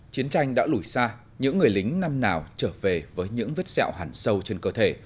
chiến tranh đã lùi xa những người lính năm nào trở về với những vết sẹo hẳn sâu trên cơ thể